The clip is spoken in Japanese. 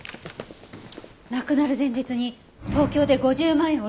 亡くなる前日に東京で５０万円下ろしてるわ。